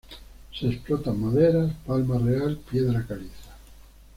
Se explotan maderas, palma real, piedra caliza.